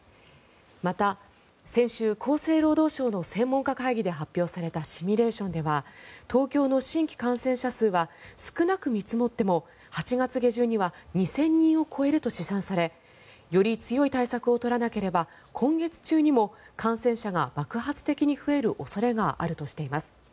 また、先週厚生労働省の専門家会議で発表されたシミュレーションでは東京の新規感染者数は少なく見積もっても８月下旬には２０００人を超えると試算されより強い対策を取らなければ今月中にも感染者が爆発的に増える恐れがあるとしています。